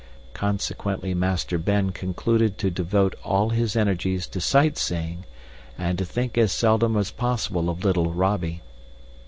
Consequently Master Ben concluded to devote all his energies to sight seeing and to think as seldom as possible of little Robby.